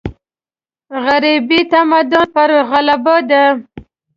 غربي تمدن پر غلبه ده.